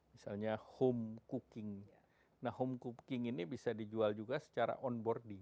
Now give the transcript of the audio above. misalnya home cooking nah home cooking ini bisa dijual juga secara onboarding